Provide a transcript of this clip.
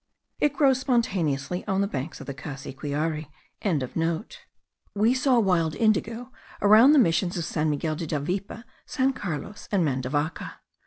It grows spontaneously on the banks of the Cassiquiare.) We saw wild indigo around the missions of San Miguel de Davipe, San Carlos, and Mandavaca.